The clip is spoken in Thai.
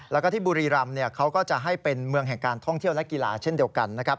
แล้วก็ที่บุรีรำเขาก็จะให้เป็นเมืองแห่งการท่องเที่ยวและกีฬาเช่นเดียวกันนะครับ